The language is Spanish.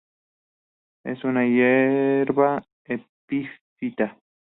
Es una hierba epífita.